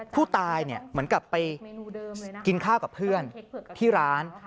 ผู้ตายเหมือนกับไปกินข้าวกับเพื่อนที่ร้าน